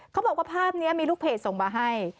เขาบอกว่าภาพนี้มีลูกเพจส่งมาให้